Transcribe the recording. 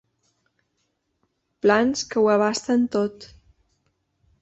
Plans que ho abasten tot.